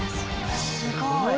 すごい。